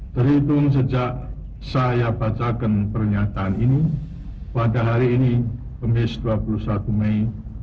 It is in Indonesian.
terhitung sejak saya bacakan pernyataan ini pada hari ini dua puluh satu mei seribu sembilan ratus sembilan puluh delapan